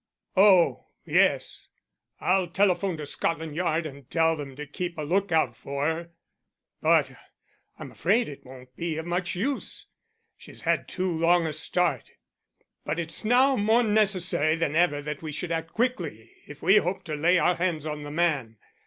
Oh, yes, I'll telephone to Scotland Yard and tell them to keep a look out for her, but I am afraid it won't be of much use she's had too long a start. But it's now more necessary than ever that we should act quickly if we hope to lay our hands on the man.